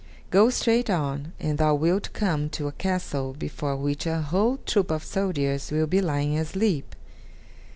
Go straight on, and thou wilt come to a castle before which a whole troop of soldiers will be lying asleep.